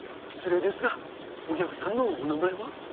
失礼ですがお客さんのお名前は？